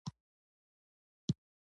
د زړه د وینې جریان باید نورمال وساتل شي